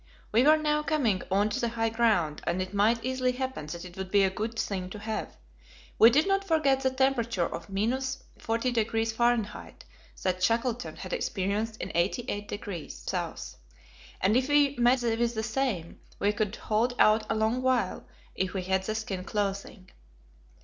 We were now coming on to the high ground, and it might easily happen that it would be a good thing to have. We did not forget the temperature of 40° F. that Shackleton had experienced in 88° S., and if we met with the same, we could hold out a long while if we had the skin clothing.